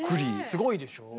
すごいでしょう。